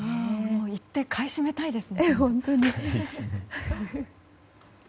行って買い占めたいですね。